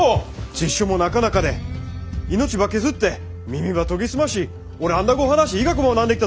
辞書もなか中で命ば削って耳ば研ぎ澄ましオランダ語を話し医学も学んできたと！